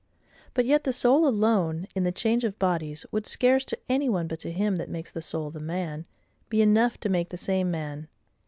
But yet the soul alone, in the change of bodies, would scarce to any one but to him that makes the soul the man, be enough to make the same man.